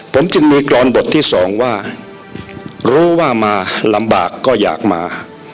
ผมจึงมีกรอนบทที่สองว่ารู้ว่ามาลำบากก็อยากมา